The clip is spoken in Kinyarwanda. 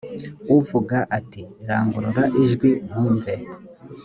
uvuga ati rangurura ijwi nkumve